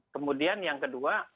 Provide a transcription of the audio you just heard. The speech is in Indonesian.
kemudian yang kedua